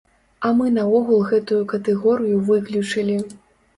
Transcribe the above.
А мы наогул гэтую катэгорыю выключылі!